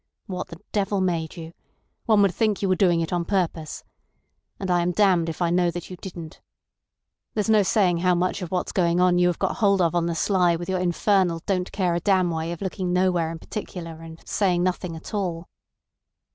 What the devil made you? One would think you were doing it on purpose. And I am damned if I know that you didn't. There's no saying how much of what's going on you have got hold of on the sly with your infernal don't care a damn way of looking nowhere in particular, and saying nothing at all.